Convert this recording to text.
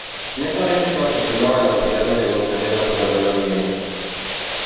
En esta orientación se primaba la ventilación e iluminación natural de las viviendas.